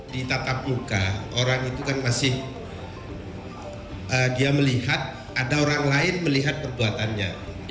di tatap muka orang itu kan masih dia melihat ada orang lain melihat perbuatannya